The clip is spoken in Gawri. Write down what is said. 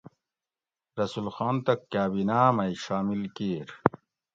رسول خان تہ کابینہ مئی شامل کیر